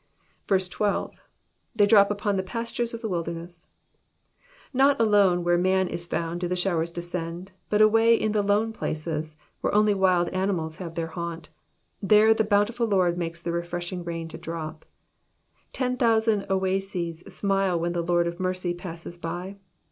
12. ^^They drop upon the pa^ure$ of the toUdemeis.'*^ Not alone where man is foand do the showers descend, but away in the lone places, where only wild animals have their haunt, there the bountiful Lord makes the refreshing rain to drop. Ten thousand oases smile while the Lord of mercy passes by.